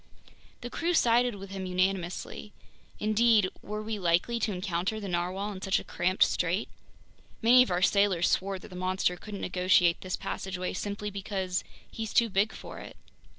The crew sided with him unanimously. Indeed, were we likely to encounter the narwhale in such a cramped strait? Many of our sailors swore that the monster couldn't negotiate this passageway simply because "he's too big for it!"